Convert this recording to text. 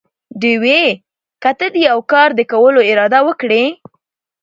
ډېوې!! که ته دې يوه کار د کولو اراده وکړي؟